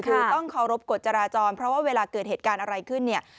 คือต้องเคารพกฎจราจรเพราะว่าเวลาเกิดเหตุการณ์อะไรขึ้นเนี่ย